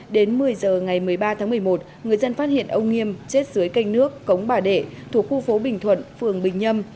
đến một mươi giờ ngày một mươi ba tháng một mươi một người dân phát hiện ông nghiêm chết dưới canh nước cống bà đệ thuộc khu phố bình thuận phường bình nhâm